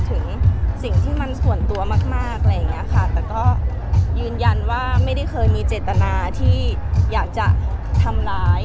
ถึงสิ่งที่มันส่วนตัวมากมากอะไรอย่างเงี้ยค่ะแต่ก็ยืนยันว่าไม่ได้เคยมีเจตนาที่อยากจะทำร้าย